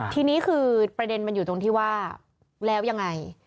ทีนี้คือประเด็นมันอยู่ตรงที่ว่าแล้วยังไง